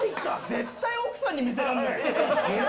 絶対奥さんに見せられない。